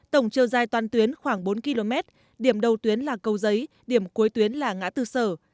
tổng chiều dài toàn tuyến khoảng bốn km điểm đầu tuyến là cầu giấy điểm cuối tuyến là ngã tư sở